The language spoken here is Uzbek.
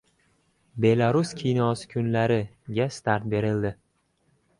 “Belarus kinosi kunlari”ga start berildi